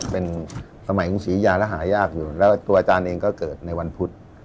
เป็นสมัยกรุงศรียาและหายากอยู่แล้วตัวอาจารย์เองก็เกิดในวันพุธ